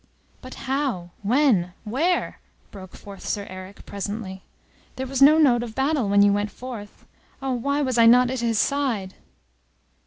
"But how? when? where?" broke forth Sir Eric, presently. "There was no note of battle when you went forth. Oh, why was not I at his side?"